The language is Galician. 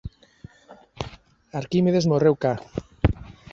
Arquímedes morreu ca.